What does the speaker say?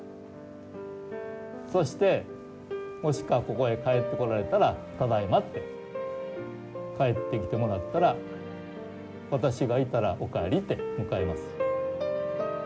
そしてもしくはここへ帰ってこられたら「ただいま」って帰ってきてもらったら私がいたら「おかえり」って迎えます。